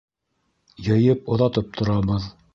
— Йыйып оҙатып торабыҙ.